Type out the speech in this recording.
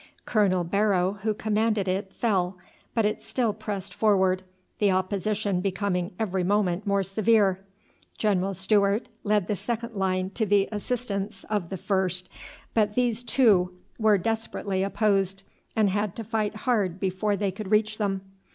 Colonel Barrow who commanded it fell, but it still pressed forward, the opposition becoming every moment more severe. General Stewart led the second line to the assistance of the first, but these too were desperately opposed, and had to fight hard before they could reach them.